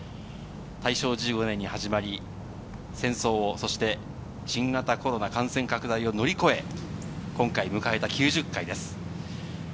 大正１５年に始まり、戦争、そして新型コロナ感染拡大を乗り越え、今回、迎えた９０回です。